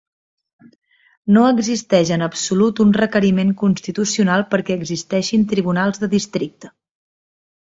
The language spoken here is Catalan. No existeix en absolut un requeriment constitucional perquè existeixin tribunals de districte.